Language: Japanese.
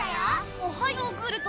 おはヨーグルト。